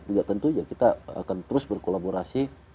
juga tentu ya kita akan terus berkolaborasi